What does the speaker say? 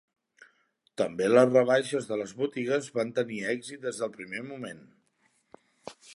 També les rebaixes de les botigues van tenir èxit des del primer moment.